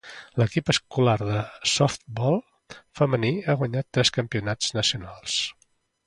L'equip escolar de softbol femení ha guanyat tres campionats nacionals.